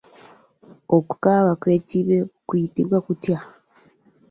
Okukaaba kw'ekibe kuyitibwa kutya?